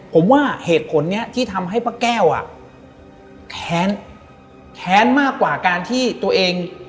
ผมว่าเหตุผลนี้ที่ทำให้ป้าแก้วอ่ะแค้นแค้นมากกว่าการที่ตัวเอง